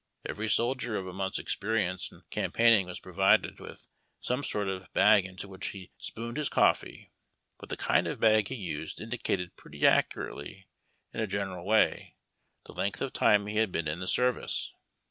Every soldier of a month's experience in campaigning was provided with some sort of bag into which he spooned his coffee ; but the kind of bag he used indicated pretty accurately, in a general way, the length of time he liad been in the service.